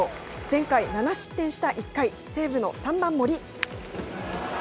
前回７失点した１回、西武の３番森。